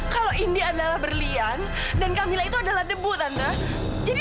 kalau edo gak mau mencari edo sama edo